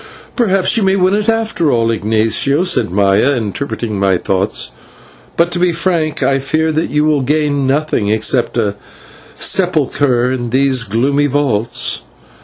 "Perhaps you may win it after all, Ignatio," said Maya, interpreting my thoughts, "but, to be frank, I fear that you will gain nothing except a sepulchre in these gloomy vaults."